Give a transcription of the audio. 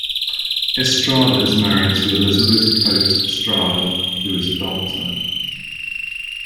Estrada is married to Elizabeth Cote Estrada, who is a doctor.